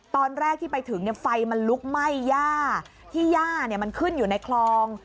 ตอนแรกที่ไปถึงไฟมันลุกไหม้ย่าที่ย่ามันขึ้นอยู่ในคลอง